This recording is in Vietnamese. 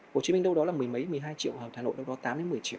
hồ chí minh đâu đó là mười mấy mười hai triệu hà nội đâu đó tám đến mười triệu